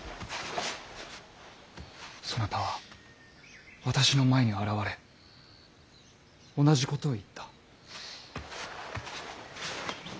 そなたは私の前に現れ同じことを言った。